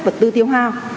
vật tư tiêu hoa